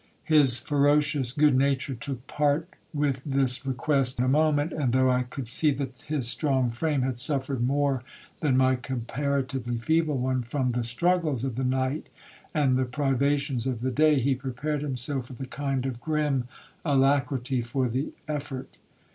His ferocious good nature took part with this request in a moment; and though I could see that his strong frame had suffered more than my comparatively feeble one, from the struggles of the night and the privations of the day, he prepared himself with a kind of grim alacrity for the effort.